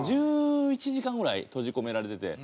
１１時間ぐらい閉じ込められてて。